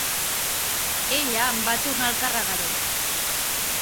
Ella em va tornar el carregador.